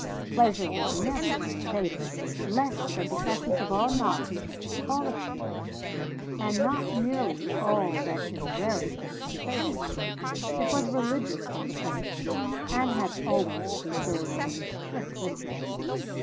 Pleasure was never, for Pater, less than the essence of all knowledge, all experience, and not merely all that is rarest in sensation; it was religious from the first, and had always to be served with a strict ritual.